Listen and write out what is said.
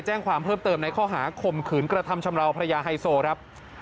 แจ้งความเพิ่มเติมในข้อหาข่มขืนกระทำชำระพระยาไฮโซลุกนัตริ์ครับ